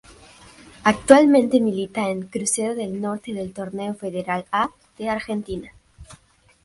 Actualmente milita en Crucero del Norte del Torneo Federal A de Argentina.